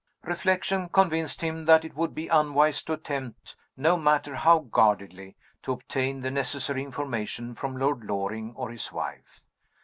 Reflection convinced him that it would be unwise to attempt, no matter how guardedly, to obtain the necessary information from Lord Loring or his wife.